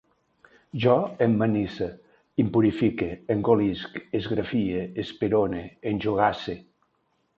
Jo emmanise, impurifique, engolisc, esgrafie, esperone, enjogasse